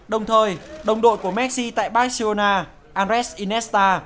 đồng thời đồng đội của messi tại barcelona andres iniesta